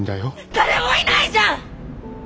誰もいないじゃん！